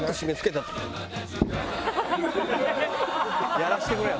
やらせてくれよ